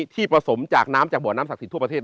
ที่ประสงค์จากน้ำจากบ่อน้ำศักดิ์สิทธิ์ทั่วประเทศ